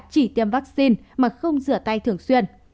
chỉ tiêm vaccine mà không rửa tay thường xuyên